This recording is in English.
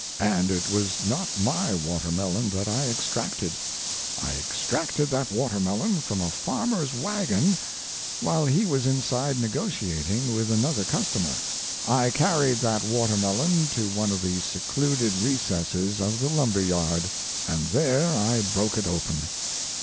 And it was not my watermelon that I extracted. I extracted that watermelon from a farmer's wagon while he was inside negotiating with another customer. I carried that watermelon to one of the secluded recesses of the lumber yard, and there I broke it open.